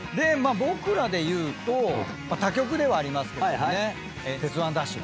僕らでいうと他局ではありますけどね『鉄腕！ＤＡＳＨ‼』